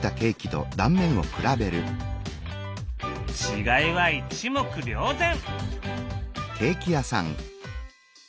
違いは一目瞭然！